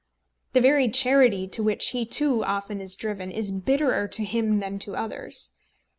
The very charity, to which he too often is driven, is bitterer to him than to others.